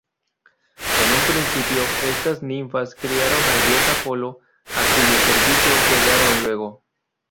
En un principio estas ninfas criaron al dios Apolo, a cuyo servicio quedaron luego...